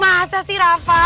masa sih rafa